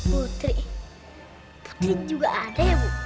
putri ding juga ada ya bu